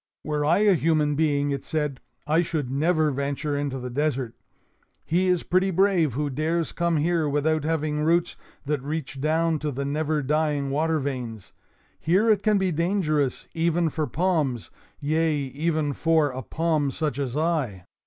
"Were I a human being," it said, "I should never venture into the desert. He is pretty brave who dares come here without having roots that reach down to the never dying water veins. Here it can be dangerous even for palms; yea, even for a palm such as I.